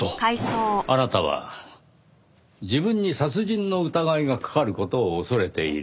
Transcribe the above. あなたは自分に殺人の疑いがかかる事を恐れている。